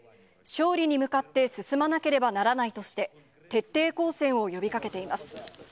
勝利に向かって進まなければならないとして、徹底抗戦を呼びかけています。